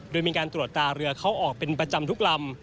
โดยมีการตรวจตาเรือเข้าออกเป็นประจำทุกลำ